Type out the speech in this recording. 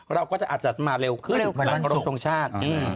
เราก็จะอาจจะมาเร็วขึ้นมารับตรงชาติ